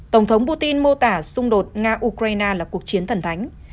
tổng thống putin mô tả xung đột nga ukraine là cuộc chiến thần thánh